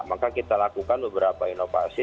maka kita lakukan beberapa inovasi